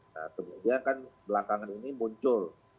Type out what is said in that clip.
nah kemudian kan belakangan ini muncul